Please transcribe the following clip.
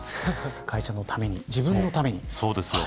会社のために自分のために。